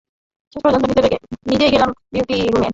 শেষ পর্যন্ত নিজেই গেলেন ডিউটি রুমে।